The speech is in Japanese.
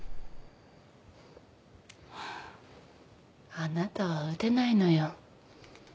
あなたは撃てないのよ。